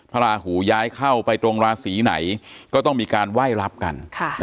ราหูย้ายเข้าไปตรงราศีไหนก็ต้องมีการไหว้รับกัน